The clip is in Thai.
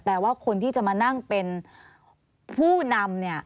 แปลว่าคนที่จะมานั่งเป็นผู้นำเนี่ย